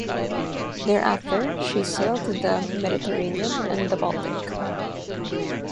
Thereafter she sailed to the Mediterranean and the Baltic.